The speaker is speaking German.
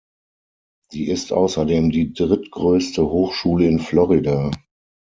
Sie ist außerdem die drittgrößte Hochschule in Florida.